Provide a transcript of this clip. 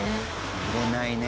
揺れないね。